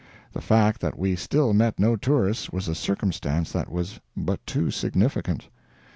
The fact that we still met no tourists was a circumstance that was but too significant.